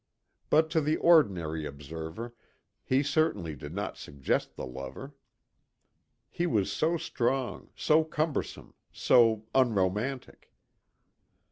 But to the ordinary observer he certainly did not suggest the lover. He was so strong, so cumbersome, so unromantic.